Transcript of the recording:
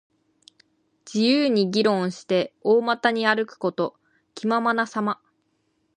自由に議論して、大股に歩くこと。気ままなさま。